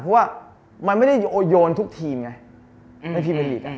เพราะว่ามันไม่ได้โยนทุกทีมไงในพรีเมอร์ลีก